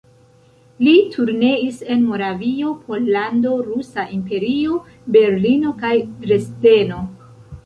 Li turneis en Moravio, Pollando, Rusa Imperio, Berlino kaj Dresdeno.